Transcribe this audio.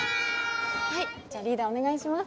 はいじゃあリーダーお願いします